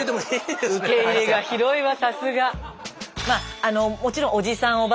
まああのもちろんおじさん